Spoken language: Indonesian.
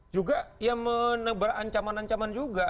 juga ya menebar ancaman ancaman juga